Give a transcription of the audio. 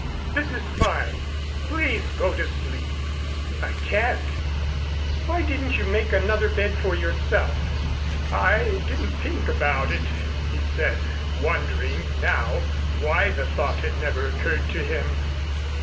This is fine. Please go to sleep." "I can't. Why didn't you make another bed for yourself?" "I didn't think about it," he said, wondering now why the thought had never occurred to him.